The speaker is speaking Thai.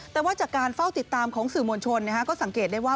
แต่ว่าจากการเฝ้าติดตามของสื่อมวลชนก็สังเกตได้ว่า